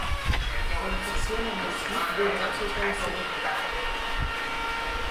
La infecció en el mosquit durarà tota la seva vida.